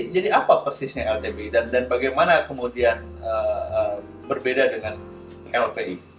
jadi apa persisnya lpi dan bagaimana kemudian berbeda dengan lpi